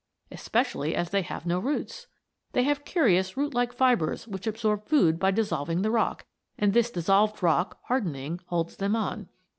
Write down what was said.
Especially as they have no roots? They have curious rootlike fibres which absorb food by dissolving the rock, and this dissolved rock, hardening, holds them on.